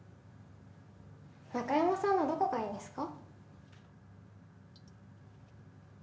中山さんのどこがいいんですか？